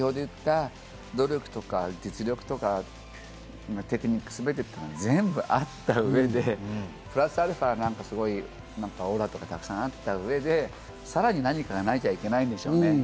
努力とか実力とか、テクニックすべて全部あった上でプラスアルファは何かオーラとかたくさんあった上で、さらに何かがないといけないんでしょうね。